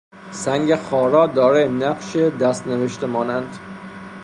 سنگ خارا دارای نقش دستنوشته مانند